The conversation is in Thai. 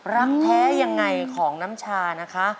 รักแท้ยังไงของน้ำชานะคะ